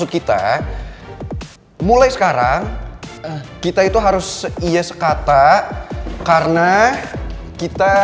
kita mulai sekarang kita itu harus ia sekata karena kita